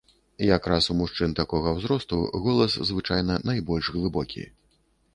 Якраз у мужчын такога ўзросту голас звычайна найбольш глыбокі.